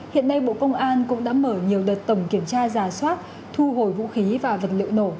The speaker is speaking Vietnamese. hiện nay bộ công an cũng đã mở nhiều đợt tổng kiểm tra giả soát thu hồi vũ khí và vật liệu nổ